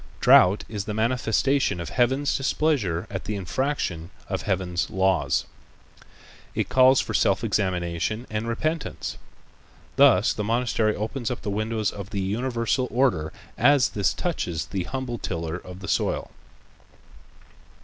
Drought is the manifestation of Heaven's displeasure at the infraction of Heaven's laws. It calls for self examination and repentance. Thus the monastery opens up the windows of the universal order as this touches the humble tiller of the soil.